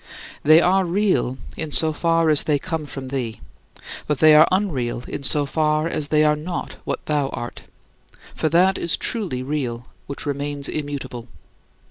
They are real in so far as they come from thee; but they are unreal in so far as they are not what thou art. For that is truly real which remains immutable.